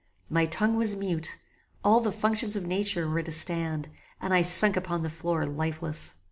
My tongue was mute; all the functions of nature were at a stand, and I sunk upon the floor lifeless.